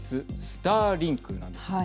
スターリンクなんです。